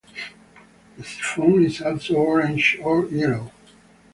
The siphon is also orange or yellow.